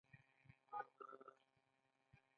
هغې سوړ اسويلى وکېښ.